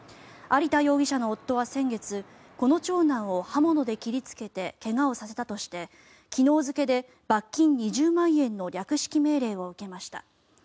有田容疑者の夫は先月この長男を刃物で切りつけて怪我をさせたとして昨日付で罰金２０万円の略式命令を受けました。